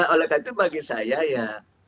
oleh karena itu bagi saya ya